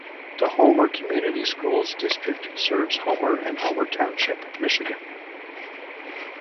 The Homer Community Schools District serves Homer and Homer Township, Michigan.